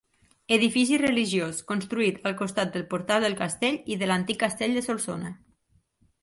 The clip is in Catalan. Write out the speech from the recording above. Edifici religiós, construït al costat del Portal del Castell i de l'antic castell de Solsona.